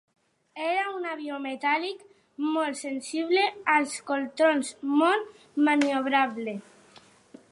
Era un avió metàl·lic molt sensible als controls, molt maniobrable.